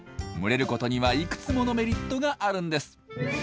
群れることにはいくつものメリットがあるんです。